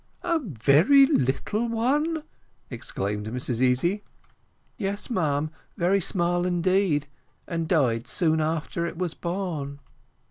"A very little one!" explained Mrs Easy. "Yes, ma'am, very small indeed, and died soon after it was born."